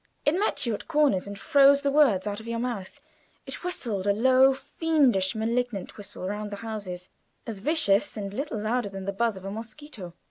It met you at corners and froze the words out of your mouth; it whistled a low, fiendish, malignant whistle round the houses; as vicious and little louder than the buzz of a mosquito.